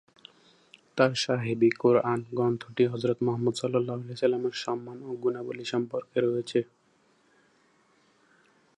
তাঁর "সাহেব ই কোরআন" গ্রন্থটি হযরত মুহাম্মদ সাঃ এর সম্মান ও গুণাবলী সম্পর্কে রয়েছে।